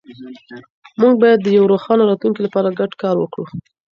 موږ باید د یو روښانه راتلونکي لپاره ګډ کار وکړو.